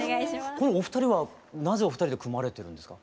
このお二人はなぜお二人で組まれてるんですか？